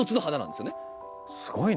すごいね。